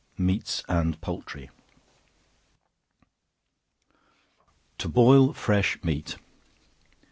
MEATS AND POULTRY. To Boil Fresh Meat.